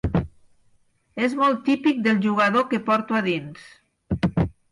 És molt típic del jugador que porto a dins.